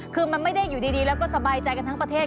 คือมันไม่ได้อยู่ดีแล้วก็สบายใจกันทั้งประเทศ